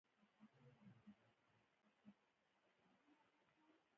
خو ويل کېږي چې د خبرو لحن يې دوستانه و.